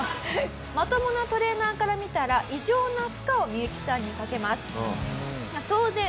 まともなトレーナーから見たら異常な負荷をミユキさんにかけます。